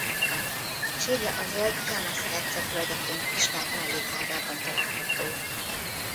Sírja a völgy Jahmesz herceg völgyeként ismert mellékágában található.